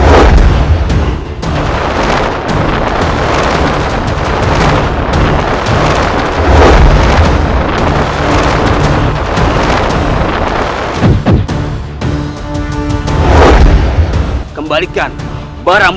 ini gak bisa didiamkan